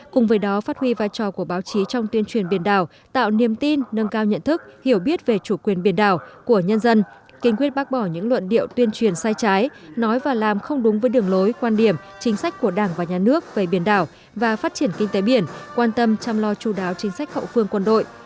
cùng với đó phát huy vai trò của báo chí trong tuyên truyền biển đảo tạo niềm tin nâng cao nhận thức hiểu biết về chủ quyền biển đảo của nhân dân kinh quyết bác bỏ những luận điệu tuyên truyền sai trái nói và làm không đúng với đường lối quan điểm chính sách của đảng và nhà nước về biển đảo và phát triển kinh tế biển quan tâm chăm lo chú đáo chính sách hậu phương quân đội